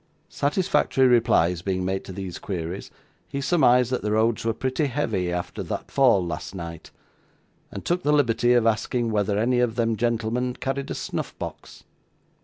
Satisfactory replies being made to these queries, he surmised that the roads were pretty heavy arter that fall last night, and took the liberty of asking whether any of them gentlemen carried a snuff box.